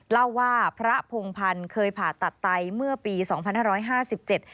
เล่าว่าพระพงพันธ์เคยผ่าตัดไตเมื่อปีสองพันห้าร้อยห้าสิบเจ็ด